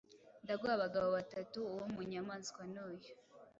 Ndaguha abagabo batatu, uwo mu nyamaswa ni uyu.”